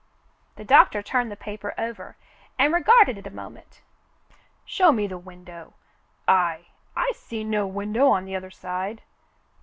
The doctor turned the paper over and regarded it a moment. "Show me the window. I — I see no window on the other side."